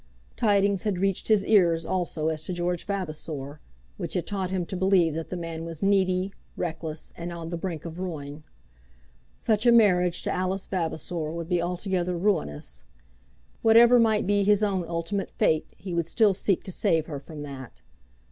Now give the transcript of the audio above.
Tidings had reached his ears also as to George Vavasor, which had taught him to believe that the man was needy, reckless, and on the brink of ruin. Such a marriage to Alice Vavasor would be altogether ruinous. Whatever might be his own ultimate fate he would still seek to save her from that.